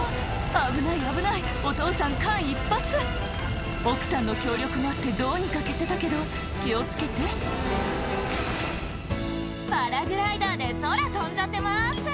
危ない危ないお父さん間一髪奥さんの協力もあってどうにか消せたけど気を付けて「パラグライダーで空飛んじゃってます」